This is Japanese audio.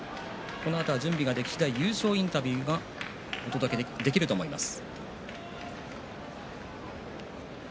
このあとは準備ができ次第優勝インタビューがお届けできると思います。